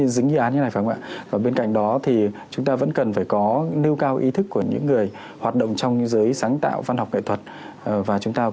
dính như án như thế này phải không ạ